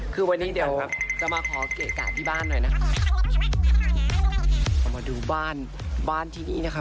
คือวันนี้เดี๋ยวจะมาขอเกะกะที่บ้านหน่อยนะคะเอามาดูบ้านบ้านที่นี่นะคะ